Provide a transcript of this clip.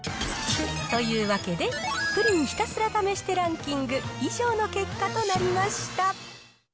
というわけで、プリンひたすら試してランキング、以上の結果となりました。